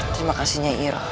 terima kasih nyai